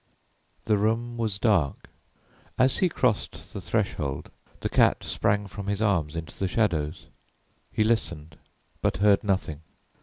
The room was dark. As he crossed the threshold, the cat sprang from his arms into the shadows. He listened but heard nothing.